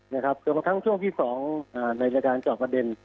จนกระทั่งช่วงที่๒ในรายการเจาะประเด็น